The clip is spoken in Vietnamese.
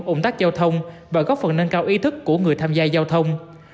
ủng tác giao thông và góp phần nâng cao ý thức của người tham gia giao thông